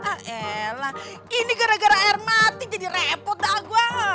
ah elah ini gara gara air mati jadi repot dah gua